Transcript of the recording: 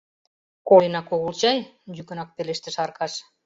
— Коленак огыл чай? — йӱкынак пелештыш Аркаш.